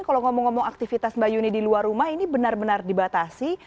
kalau ngomong ngomong aktivitas mbak yuni di luar rumah ini benar benar dibatasi